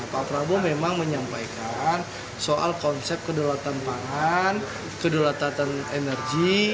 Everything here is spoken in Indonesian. pak prabowo memang menyampaikan soal konsep kedaulatan pangan kedelatan energi